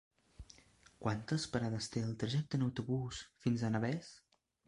Quantes parades té el trajecte en autobús fins a Navès?